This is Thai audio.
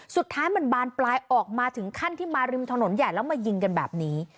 สุดท้ายมันบานปลายออกมาถึงขั้นที่มาริมถนนใหญ่แล้วมายิงกันแบบนี้